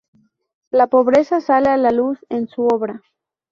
La pobreza sale a la luz en su obra.